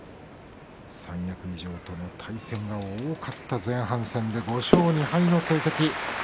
三役以上との対戦が多かった前半戦で５勝２敗の成績。